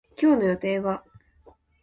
今日の予定は